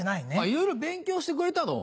いろいろ勉強してくれたの？